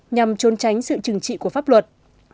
nhằm trôn tránh sự trừng trị của pháp luật